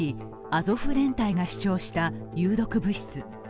アゾフ連隊が主張した有毒物質。